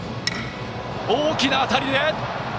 大きな当たり！